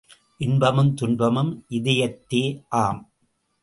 இன்பமும் துன்பமும் இதயத்தே ஆம்.